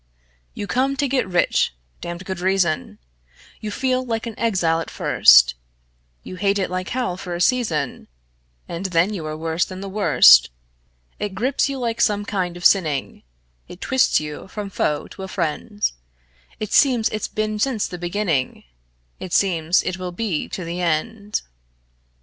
You come to get rich (damned good reason); You feel like an exile at first; You hate it like hell for a season, And then you are worse than the worst. It grips you like some kinds of sinning; It twists you from foe to a friend; It seems it's been since the beginning; It seems it will be to the end.